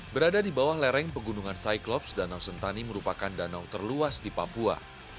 berada di bawah lereng pegunungan cyclops danau sentani merupakan danau terluas di papua